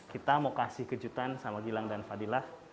kita mau kasih kejutan sama gilang dan fadilah